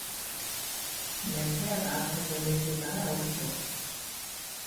Merkea eta azken tendentzietara egokitua.